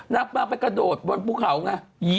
นักมู่นางไปกระโดดบนปุ๊บเขาไง